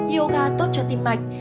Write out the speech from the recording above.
yoga tốt cho tim mạch